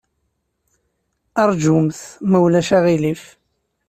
Ṛjumt, ma ulac aɣilif.